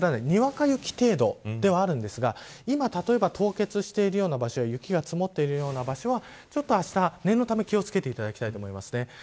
にわか雪程度ではあるんですが今、例えば凍結しているような場所雪が積もっているような場所はちょっと、あした念のため気をつけていただきたいと思います。